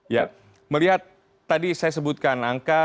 ya melihat tadi saya sebutkan angka